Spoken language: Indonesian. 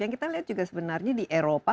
yang kita lihat juga sebenarnya di eropa